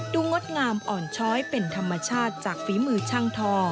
งดงามอ่อนช้อยเป็นธรรมชาติจากฝีมือช่างทอ